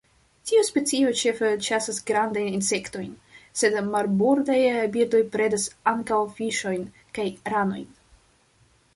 Tiu specio ĉefe ĉasas grandajn insektojn, sed marbordaj birdoj predas ankaŭ fiŝojn kaj ranojn.